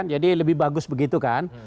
jadi lebih bagus begitu kan